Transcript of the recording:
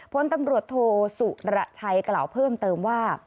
พลตำรวจโทสุรชัยกล่าวเพิ่มเติมว่า